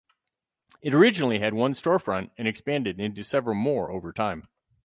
It originally had one storefront and expanded into several more over time.